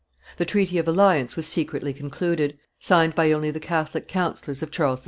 The treaty of alliance was secretly concluded, signed by only the Catholic councillors of Charles II.